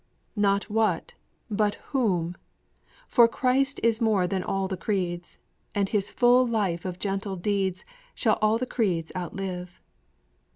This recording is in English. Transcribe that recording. Not What but Whom. For Christ is more than all the creeds, And His full life of gentle deeds Shall all the creeds outlive.